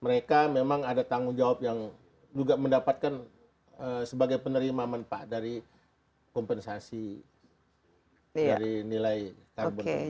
mereka memang ada tanggung jawab yang juga mendapatkan sebagai penerima manfaat dari kompensasi dari nilai karbon